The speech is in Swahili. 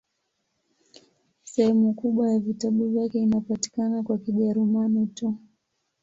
Sehemu kubwa ya vitabu vyake inapatikana kwa Kijerumani tu.